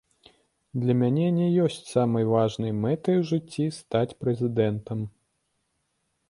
Для мяне не ёсць самай важнай мэтай у жыцці стаць прэзідэнтам.